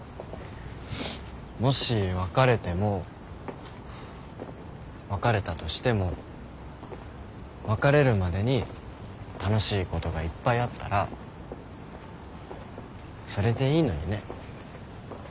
もし別れても別れたとしても別れるまでに楽しいことがいっぱいあったらそれでいいのにね。